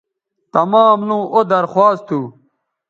تمام لوں او درخواست تھو